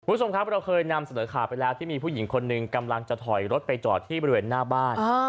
คุณผู้ชมครับเราเคยนำเสนอข่าวไปแล้วที่มีผู้หญิงคนหนึ่งกำลังจะถอยรถไปจอดที่บริเวณหน้าบ้าน